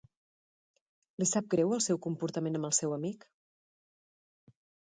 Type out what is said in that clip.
Li sap greu el seu comportament amb el seu amic?